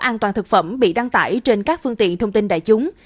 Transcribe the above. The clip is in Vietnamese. an toàn thực phẩm bị đăng tải trên các phương tiện thông tin đại chúng